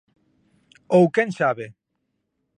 Ou quen sabe.